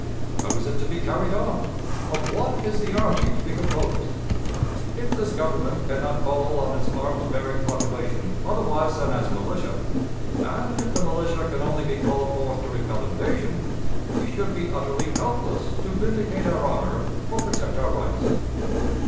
How is it to be carried on? Of what is the army to be composed? If this Government can not call on its arms bearing population otherwise than as militia, and if the militia can only be called forth to repel invasion, we should be utterly helpless to vindicate our honor or protect our rights.